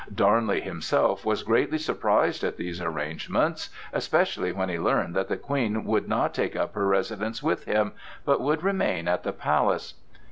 Darnley himself was greatly surprised at these arrangements, especially when he learned that the Queen would not take up her residence with him, but would remain at the Palace.